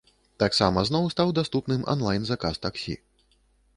Таксама зноў стаў даступным анлайн-заказ таксі.